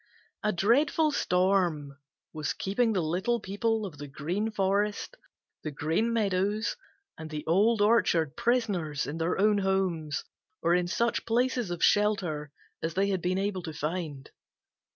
A dreadful storm was keeping the little people of the Green Forest, the Green Meadows, and the Old Orchard prisoners in their own homes or in such places of shelter as they had been able to find.